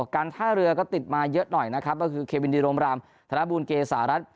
การท่าเรือก็ติดมาเยอะหน่อยนะครับก็คือเควินดีโรมรำธนบูลเกษารัฐ